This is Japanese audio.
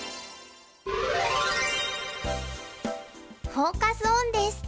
フォーカス・オンです。